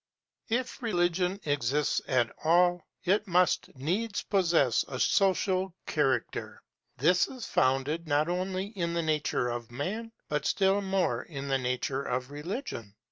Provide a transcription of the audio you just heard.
If religion exists at all, it must needs possess a social character; this is founded not only in the nature of man, but still more in the nature of religion.